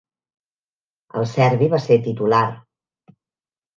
El serbi va ser titular.